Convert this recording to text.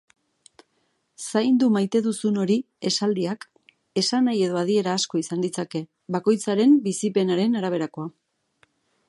"Zaindu maite duzun hori" esaldiak esanahi edo adiera asko izan ditzake, bakoitzaren bizipenaren araberakoa.